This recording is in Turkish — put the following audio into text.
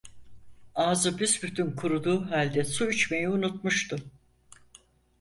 Ağzı büsbütün kuruduğu halde su içmeyi unutmuştu.